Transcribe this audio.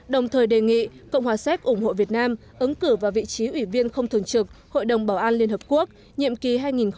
đồng thời đề nghị cộng hòa séc ủng hộ việt nam ứng cử vào vị trí ủy viên không thường trực hội đồng bảo an liên hợp quốc nhiệm kỳ hai nghìn hai mươi hai nghìn hai mươi một